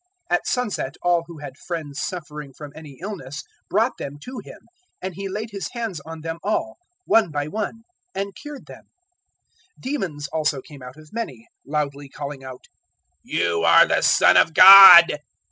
004:040 At sunset all who had friends suffering from any illness brought them to Him, and He laid His hands on them all, one by one, and cured them. 004:041 Demons also came out of many, loudly calling out, "You are the Son of God."